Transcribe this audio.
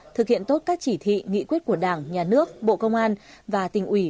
thực hiện tốt các chỉ thị nghị quyết của đảng nhà nước bộ công an và tỉnh ủy